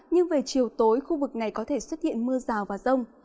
nhưng về chiều tối khu vực này có thể xuất hiện mưa rào và rông